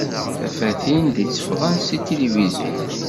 Tafatin d-itteffɣen si tilifizyu.